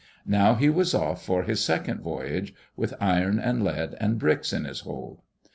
Now he was off for his second voyage, with iron and lead and bricks in his hold.